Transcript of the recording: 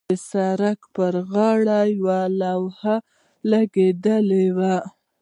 د سړک پر غاړې یوه لوحه لګېدلې وه.